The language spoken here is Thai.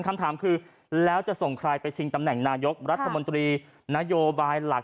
คำถามคือแล้วจะส่งใครไปชิงตำแหน่งนายกรัฐมนตรีนโยบายหลัก